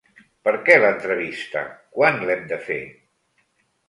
Perquè l'entrevista, quan l'hem de fer?